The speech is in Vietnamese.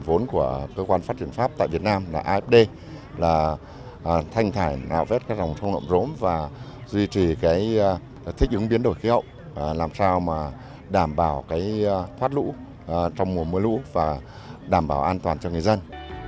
công trình phục vụ của cơ quan phát triển pháp tại việt nam là afd là thanh thải nạo vết các rồng trong ngọn rốm và duy trì thích ứng biến đổi khí hậu làm sao đảm bảo thoát lũ trong mùa mưa lũ và đảm bảo an toàn cho người dân